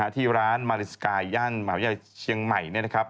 ที่ร้านมาลินสกายย่างหน้าหวัยช่างใหม่เนี่ยนะครับ